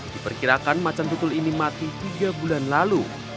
diperkirakan macan tutul ini mati tiga bulan lalu